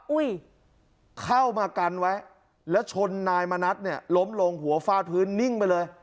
อุ้ยเข้ามากันไว้แล้วชนนายมณัฐเนี่ยล้มลงหัวฟาดพื้นนิ่งไปเลย